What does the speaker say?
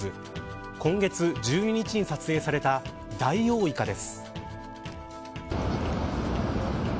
今月１２日に撮影されたダイオウイカです。